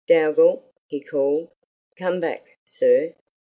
"Dougal," he called, "come back, sir."